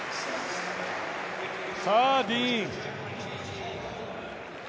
さあ、ディーン。